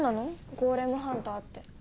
ゴーレムハンターって。